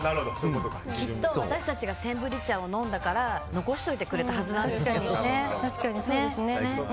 きっと私たちがセンブリ茶を飲んだから残しといてくれたはずなんですよね。